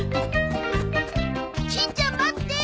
しんちゃん待って。